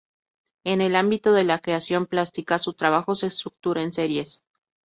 En el ámbito de la creación plástica, su trabajo se estructura en series.